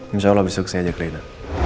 insyaallah besok saya aja ke sana